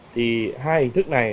thì hai hình thức này